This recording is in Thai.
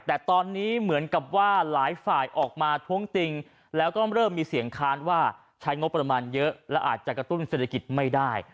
แต่ตอนนี้เหมือนกับว่าหลายฝ่ายออกมาท้วงติงแล้วก็เริ่มมีเสียงค้านว่าใช้งบประมาณเยอะและอาจจะกระตุ้นเศรษฐกิจไม่ได้